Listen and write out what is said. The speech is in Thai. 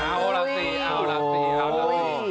เอาล่ะสิเอาล่ะสิ